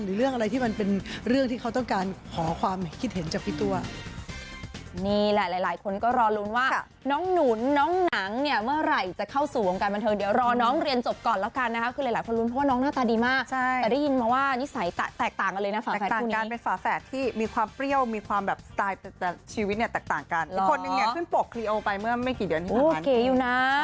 เรื่องอะไรที่มันเป็นเรื่องที่เขาต้องการขอความคิดเห็นจากพี่ตัว